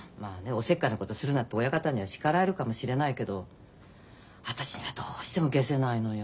おせっかいなことするなって親方には叱られるかもしれないけど私にはどうしてもげせないのよ。